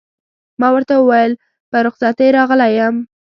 ما ورته وویل: په رخصتۍ راغلی یم.